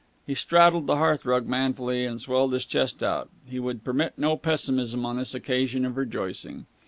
He straddled the hearth rug manfully, and swelled his chest out. He would permit no pessimism on this occasion of rejoicing.